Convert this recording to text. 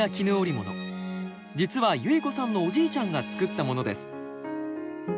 実はゆいこさんのおじいちゃんが作ったものです。